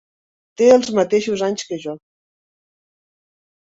Té els mateixos anys que jo.